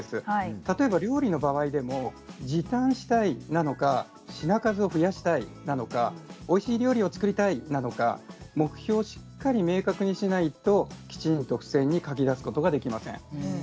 例えば、料理の場合でも時短したいのか品数を増やしたいなのかおいしい料理を作りたいなのか目標をしっかり明確にしないときちんと付箋に書き出すことができません。